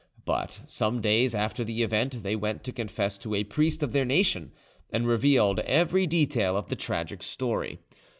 But some days after the event they went to confess to a priest of their nation, and revealed every detail of the tragic story.